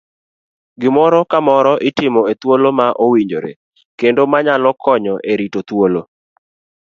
Gimoro ka moro itimo e thuolo ma owinjore kendo manyalo konyo e rito thuolo.